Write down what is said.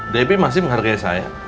debbie masih menghargai saya